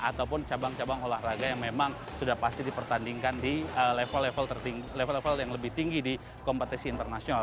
ataupun cabang cabang olahraga yang memang sudah pasti dipertandingkan di level level yang lebih tinggi di kompetisi internasional